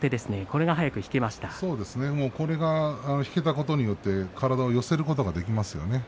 これが引けたことによって体を寄せることができますよね。